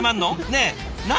ねえ何？